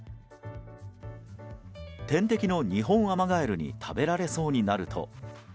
天敵のニホンアマガエルに食べられそうになると。